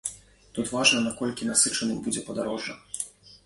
Тут важна, наколькі насычаным будзе падарожжа.